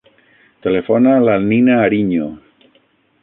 Telefona a la Nina Ariño.